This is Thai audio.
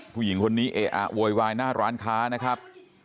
ผู้หญิงคนนี้เอะอะโวยวายหน้าร้านค้านะครับ